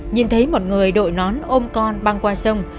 nhìn thấy một người đội nón ôm con băng qua sông